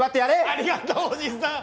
ありがとうおじさん！